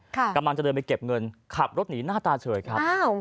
กำลังจะเดินไปเก็บเงินขับรถหนีหน้าตาเฉยครับอ้าว